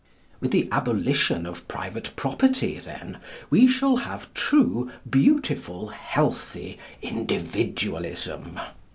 With the abolition of private property, then, we shall have true, beautiful, healthy Individualism.